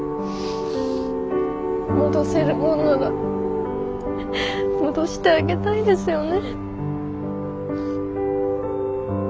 戻せるものなら戻してあげたいですよね。